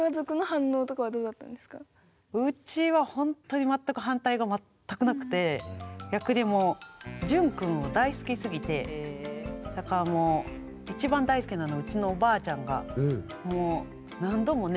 うちはほんとにまったく逆にもう潤くんを大好きすぎてだからもういちばん大好きなのはうちのおばあちゃんがもう何度もね